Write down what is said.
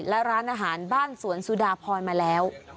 และร้านอาหารบ้านสวนสุดาพรมาแล้ว